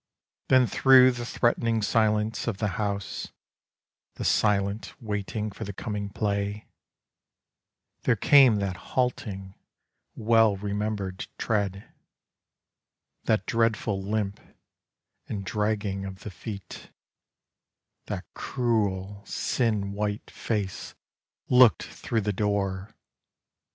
Then through the threatening silence of the house The silent waiting for the coming play — There came that halting well remembered tread, That dreadful limp, and dragging of the feet, That cruel sin white face looked through the door